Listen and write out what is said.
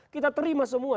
kita terima semua